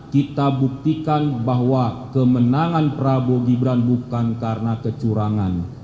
kita buktikan bahwa kemenangan prabowo gibran bukan karena kecurangan